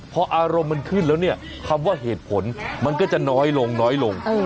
พออารมณ์มันขึ้นแล้วเนี่ยคำว่าเหตุผลมันก็จะน้อยลงน้อยลง